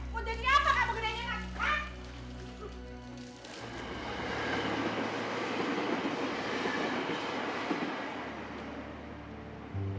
mau jadi apa kamu gedengin aku